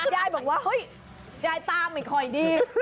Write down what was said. ยายบอกว่าเฮ้ยยายตาไม่ค่อยดี